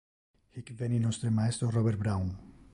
Hic veni nostre maestro, Robert Brown.